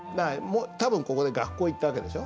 多分ここで学校行った訳でしょ？